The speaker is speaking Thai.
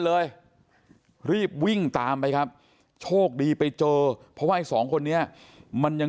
เลยรีบวิ่งตามไปครับโชคดีไปเจอเพราะว่าไอ้สองคนนี้มันยัง